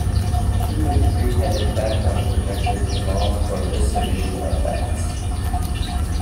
Two- and three-headed background projectors evolved for VistaVision effects.